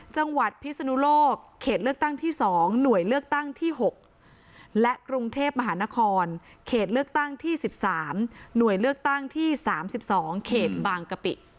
จังหวัดพิศนุโลกเขตเลือกตั้งที่๒หน่วยเลือกตั้งที่๖และกรุงเทพมหานครเขตเลือกตั้งที่๑๓หน่วยเลือกตั้งที่๓๒เขตบางกะปิ